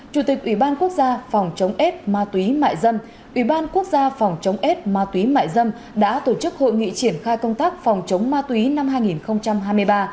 chủ tịch ủy ban quốc gia phòng chống ếch ma túy mại dâm đã tổ chức hội nghị triển khai công tác phòng chống ma túy năm hai nghìn hai mươi ba